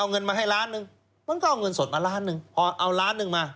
เอาเงินมาให้ล้านหนึ่งมันก็เอาเงินสดมาล้านหนึ่งพอเอาล้านหนึ่งมา